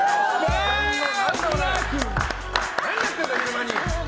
何やってんだ昼間に。